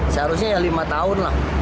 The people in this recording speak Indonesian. seharusnya ya lima tahun lah